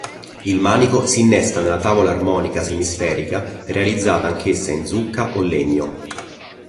Il manico si innesta nella tavola armonica semisferica realizzata anch'essa in zucca o legno.